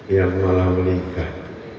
yang malah meningkat